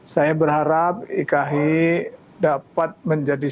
saya berharap iki dapat menjadi